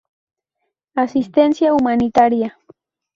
Asistencia humanitaria.